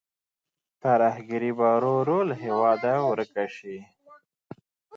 ترهګري به ورو ورو له هېواده ورکه شي.